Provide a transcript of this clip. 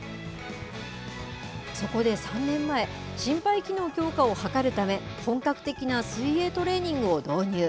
そこで３年前、心肺機能強化を図るため、本格的な水泳トレーニングを導入。